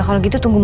book untuk tim